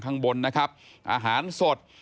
ข้างบนนะครับอาหารสด